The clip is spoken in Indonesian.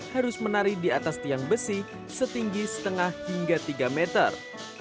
harus menari di atas tiang besi setinggi setengah hingga tiga meter